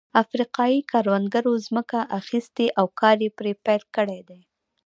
افریقايي کروندګرو ځمکه اخیستې او کار یې پرې پیل کړی دی.